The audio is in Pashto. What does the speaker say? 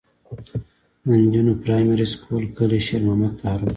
د نجونو پرائمري سکول کلي شېر محمد تارڼ.